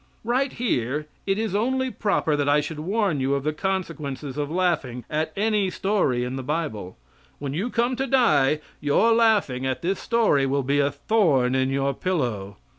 Right here it is only proper that I should warn you of the consequences of laughing at any story in the Bible. When you come to die, your laughing at this story will be a thorn in your pillow.